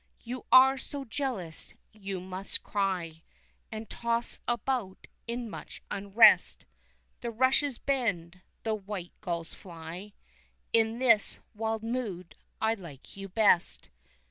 You are so jealous you must cry And toss about in much unrest The rushes bend, the white gulls fly In this wild mood I like you best.